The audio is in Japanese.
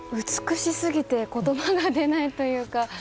美しすぎて言葉が出ないというか